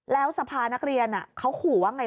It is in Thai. แล้วสภานักเรียนเขาขู่ว่าไง